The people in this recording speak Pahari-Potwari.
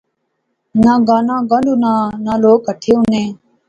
نا گانا گنڈہنونا، نا لوک کہٹھے ہونے